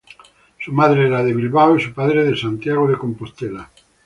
Su madre era de Bilbao y su padre de Santiago de Compostela.